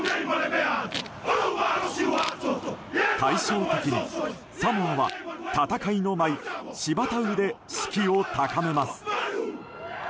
対照的にサモアは、戦いの舞シヴァタウで士気を高めます。